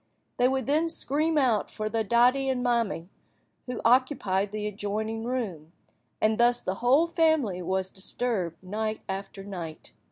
They would then scream out for their "daddy" and "mammy," who occupied the adjoining room, and thus the whole family was disturbed night after night.